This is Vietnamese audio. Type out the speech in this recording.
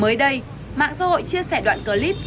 mới đây mạng xã hội chia sẻ đoạn clip